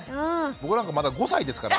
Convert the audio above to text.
僕なんかまだ５歳ですから。